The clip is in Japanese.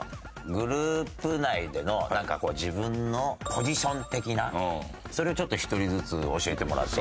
グループ内での自分のポジション的なそれをちょっと１人ずつ教えてもらっていい？